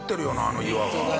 あの岩が。